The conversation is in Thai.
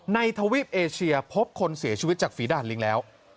ทวีปเอเชียพบคนเสียชีวิตจากฝีด่านลิงแล้ว